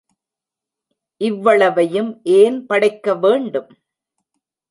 இவ்வளவையும் ஏன் படைக்க வேண்டும்?